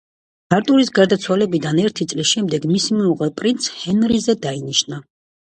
არტურის გარდაცვალებიდან ერთი წლის შემდეგ მისი მეუღლე პრინც ჰენრიზე დაინიშნა.